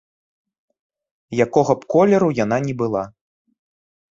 Якога б колеру яна ні была.